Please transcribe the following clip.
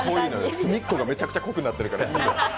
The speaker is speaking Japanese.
隅っこがめちゃめちゃ濃くなってるから。